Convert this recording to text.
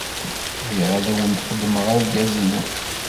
Riɣ ad awen-d-qeddmeɣ argaz-inu.